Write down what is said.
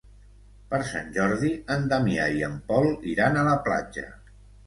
Per Sant Jordi en Damià i en Pol iran a la platja.